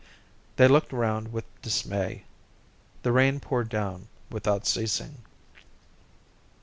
They looked round with dismay. The rain poured down without ceasing.